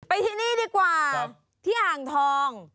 ที่นี่ดีกว่าที่อ่างทอง